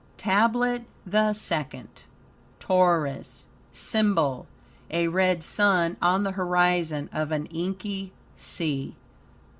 TABLET THE SECOND Taurus SYMBOL A red sun on the horizon of an inky sea.